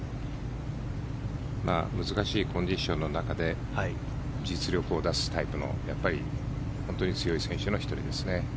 難しいコンディションの中で実力を出すタイプのやっぱり本当に強い選手の１人ですね。